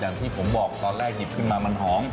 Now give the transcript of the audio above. อย่างที่ผมบอกตอนแรกหยิบขึ้นมามันหอม